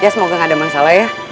ya semoga gak ada masalah ya